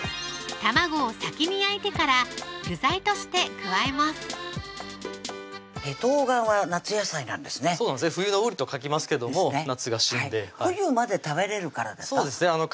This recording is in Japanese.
卵を先に焼いてから具材として加えます冬瓜は夏野菜なんですね冬の瓜と書きますけども夏が旬で冬まで食べれるからですか？